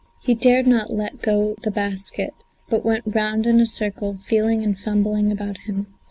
He dared not let go the basket, but went round in a circle, feeling and fumbling about him.